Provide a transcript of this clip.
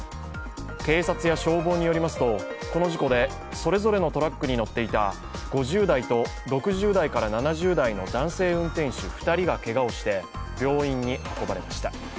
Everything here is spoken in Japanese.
警察や消防によりますとこの事故で、それぞれのトラックに乗っていた５０代と６０代から７０代の男性運転手２人がけがをして病院に運ばれました。